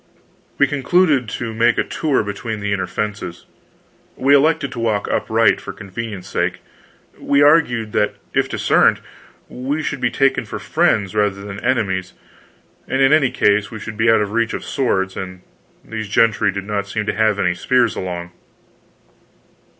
We concluded to make a tour between the inner fences. We elected to walk upright, for convenience's sake; we argued that if discerned, we should be taken for friends rather than enemies, and in any case we should be out of reach of swords, and these gentry did not seem to have any spears along.